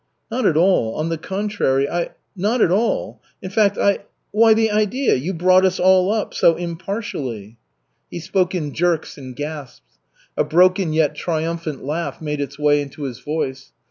"Not at all on the contrary I not at all. In fact I why, the idea you brought us all up so impartially." He spoke in jerks and gasps. A broken yet triumphant laugh made its way into his voice.